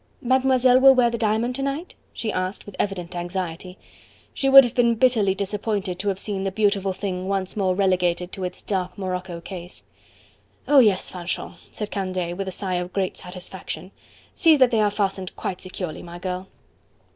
"Mademoiselle will wear the diamond to night?" she asked with evident anxiety: she would have been bitterly disappointed to have seen the beautiful thing once more relegated to its dark morocco case. "Oh, yes, Fanchon!" said Candeille with a sigh of great satisfaction; "see that they are fastened quite securely, my girl."